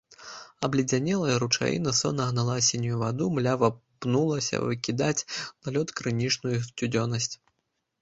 Абледзянелая ручаіна сонна гнала сінюю ваду, млява пнулася выкідаць на лёд крынічную сцюдзёнасць.